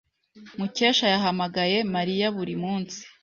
Mukesha yahamagaye Mariya buri munsi.